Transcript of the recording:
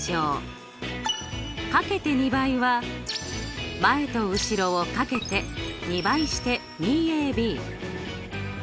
かけて２倍は前と後ろを掛けて２倍して２ｂ。